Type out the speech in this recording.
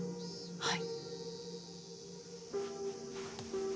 はい。